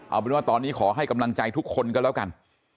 เอาเป็นว่าตอนนี้ขอให้กำลังใจทุกคนก็แล้วกัน